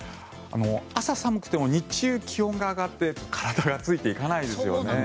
朝寒くても日中気温が上がって体がついていかないですよね。